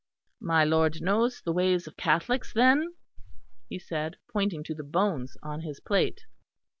"My lord knows the ways of Catholics, then," he said, pointing to the bones on his plate.